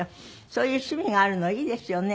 そういう趣味があるのいいですよね。